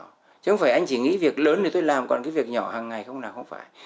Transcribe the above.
chứ không phải anh chỉ nghĩ việc lớn thì tôi làm còn cái việc nhỏ hàng ngày không nào không phải